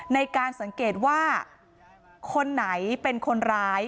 ในการสังเกตว่าคนไหนเป็นคนร้าย